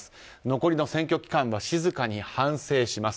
残りの選挙期間は静かに反省します。